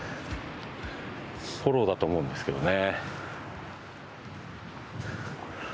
フォローだと思うんですけどね。